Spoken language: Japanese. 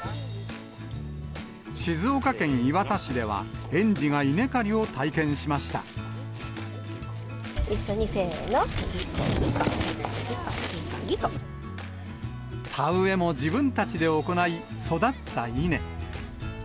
静岡県磐田市では、園児が稲一緒に、せーの、田植えも自分たちで行い、育った稲。